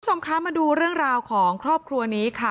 คุณผู้ชมคะมาดูเรื่องราวของครอบครัวนี้ค่ะ